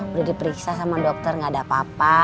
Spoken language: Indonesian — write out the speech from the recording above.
udah diperiksa sama dokter gak ada apa apa